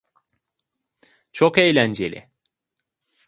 Çok eğlenceli.